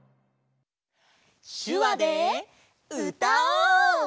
しゅわでうたおう！